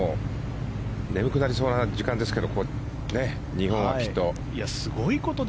眠くなりそうな時間ですけど日本はきっと。